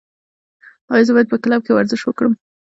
ایا زه باید په کلب کې ورزش وکړم؟